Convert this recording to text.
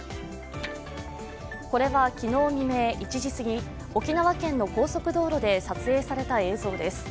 これは昨日未明１時すぎ沖縄県の高速道路で撮影された映像です。